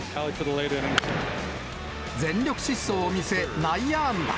全力疾走を見せ、内野安打。